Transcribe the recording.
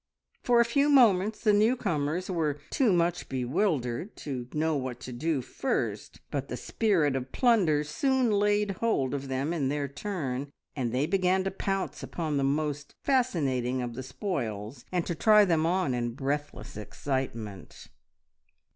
For a few moments the new comers were too much bewildered to know what to do first, but the spirit of plunder soon laid hold of them in their turn, and they began to pounce upon the most fascinating of the spoils and to try them on in breathless excitement.